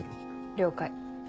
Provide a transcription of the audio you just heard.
了解。